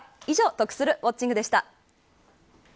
得するウォッチング！でした。